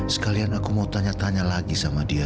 sekalian aku mau tanya tanya lagi sama dia